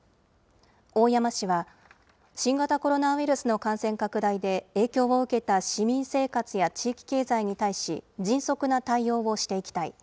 大山氏は、新型コロナウイルスの感染拡大で、影響を受けた市民生活や地域経済に対し、迅速な対応をしていきたい。